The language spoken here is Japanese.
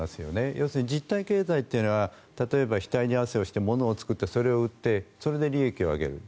要するに実体経済というのは例えば、額に汗をして物を作ってそれを売ってそれで利益を上げる。